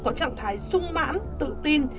có trạng thái sung mãn tự tin